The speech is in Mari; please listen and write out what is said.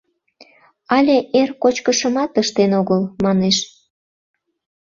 Але эр кочкышымат ыштен огыл, — манеш.